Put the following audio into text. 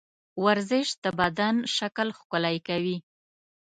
ورزش د بدن شکل ښکلی کوي.